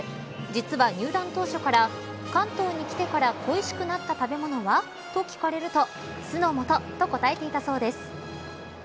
実は入団当初から関東に来てから恋しくなった食べ物はと聞かれると酢の素と答えていたそうです。